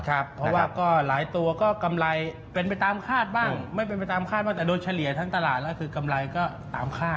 เพราะว่าก็หลายตัวก็กำไรเป็นไปตามคาดบ้างไม่เป็นไปตามคาดว่าแต่โดยเฉลี่ยทั้งตลาดแล้วคือกำไรก็ตามคาด